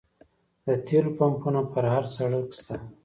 د تیلو پمپونه په هر سړک شته